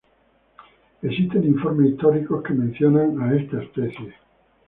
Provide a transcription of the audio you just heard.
Existen informes históricos que mencionan a esta especie.